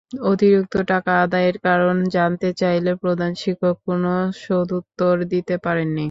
অতিরিক্ত টাকা আদায়ের কারণ জানতে চাইলে প্রধান শিক্ষক কোনো সদুত্তর দিতে পারেননি।